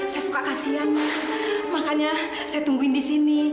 saya suka kasihan makanya saya tungguin di sini